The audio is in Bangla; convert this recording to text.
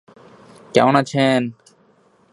এ ওয়ার্ডের বর্তমান কাউন্সিলর হলেন মোস্তাক আহমেদ।